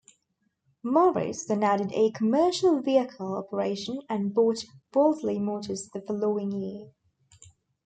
Morris then added a commercial vehicle operation and bought Wolseley Motors the following year.